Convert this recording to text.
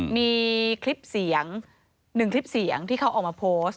มีคลิปเสียงหนึ่งคลิปเสียงที่เขาออกมาโพสต์